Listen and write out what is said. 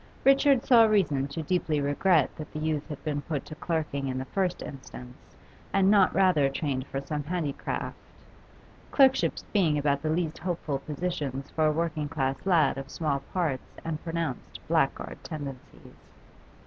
Richard saw reason to deeply regret that the youth had been put to clerking in the first instance, and not rather trained for some handicraft, clerkships being about the least hopeful of positions for a working class lad of small parts and pronounced blackguard tendencies.